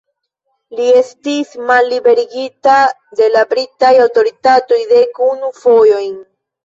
Li estis malliberigita de la britaj aŭtoritatoj dek unu fojojn.